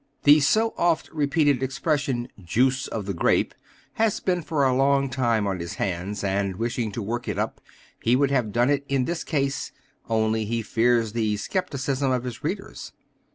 The so oft repeated expression "juice of the grape" has been for a long time on his hands, and, wishing to work it up, he would have done it in this case, only he fears the skepticism of his readers.